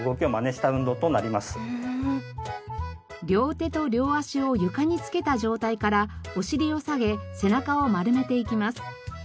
両手と両足を床につけた状態からお尻を下げ背中を丸めていきます。